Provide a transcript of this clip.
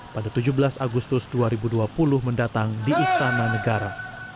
pada tujuh belas agustus dua ribu dua puluh mendatang di istana negara